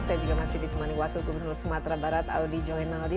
saya juga masih ditemani wakil gubernur sumatera barat audi joynaldi